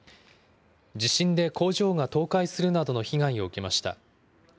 地震で工場が倒壊するなどの被害を受けました。